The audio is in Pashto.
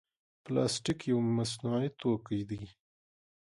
پلاستيک یو مصنوعي توکي دی.